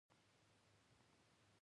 د بانکي ګټې یا سود په اړه بحث کوو